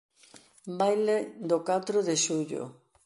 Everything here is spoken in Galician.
Baile do catro de Xullo